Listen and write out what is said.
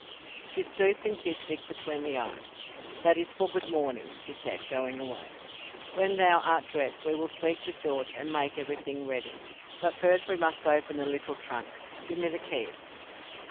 She stooped and kissed Dick between the eyes. "That is for good morning," she said, going away. "When thou art dressed we will speak to George and make everything ready. But first we must open the little trunk. Give me the keys."